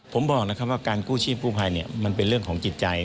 ผมบอกนะครับว่าการกู้ชีพกู้ภัยมันเป็นเรื่องของจิตใจ